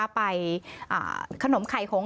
อะไปขนมไข่โหง